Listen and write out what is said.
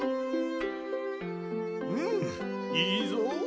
うんいいぞ。